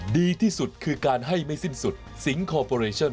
ดีที่สุดคือการให้ไม่สิ้นสุดสิงคอร์ปอเรชั่น